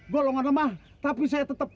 golongan lemah tapi saya tetap